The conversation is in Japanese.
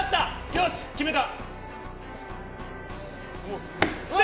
よし、決めた！